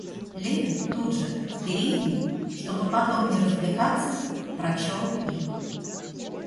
Левин тут же, в передней, чтобы потом не развлекаться, прочел их.